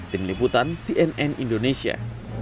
tim liputan cnn indonesia